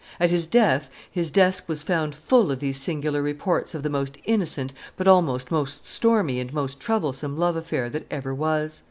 At his death, his desk was found full of these singular reports of the most innocent, but also most stormy and most troublesome love affair that ever was.